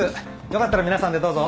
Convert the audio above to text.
よかったら皆さんでどうぞ。